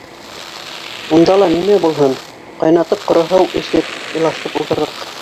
Унда ла нимә булһын: ҡайнатып ҡоро һыу эсеп, илашып ултырҙыҡ.